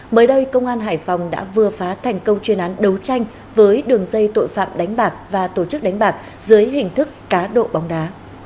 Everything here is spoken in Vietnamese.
mới đây công an hải phòng đã vừa phá thành công chuyên án đấu tranh với đường dây tội phạm đánh bạc và tổ chức đánh bạc dưới hình thức cá độ bóng đá